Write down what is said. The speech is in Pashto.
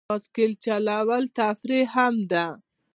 بایسکل چلول تفریح هم دی.